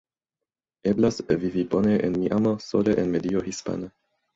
Eblas vivi bone en Miamo sole en medio hispana.